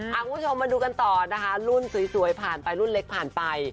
คุณผู้ชมมาดูกันต่อนะคะรุ่นสวยผ่านไปรุ่นเล็กผ่านไป